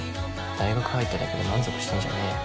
大学入っただけで満足してんじゃねーよ